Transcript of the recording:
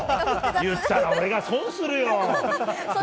言ったら俺が損するよ。